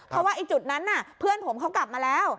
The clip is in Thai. เพราะว่าไอ้จุดนั้นน่ะเพื่อนผมเขากลับมาแล้ว